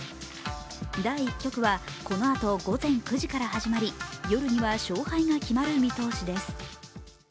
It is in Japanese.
第１局はこのあと午前９時から始まり夜には勝敗が決まる見通しです。